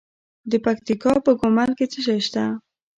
د پکتیکا په ګومل کې څه شی شته؟